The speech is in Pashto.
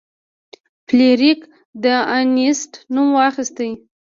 فلیریک د انیسټ نوم واخیست.